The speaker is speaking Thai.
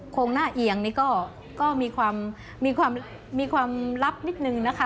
โครงหน้าเอียงนี่ก็มีความลับนิดนึงนะคะ